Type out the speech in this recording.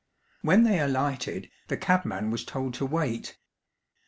When they alighted the cabman was told to wait.